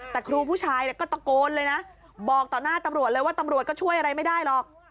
แต่ครูผู้ชายก็ตะโกนเลยนะบอกต่อหน้าตำรวจเลยว่าตำรวจก็ช่วยอะไรไม่ได้หรอก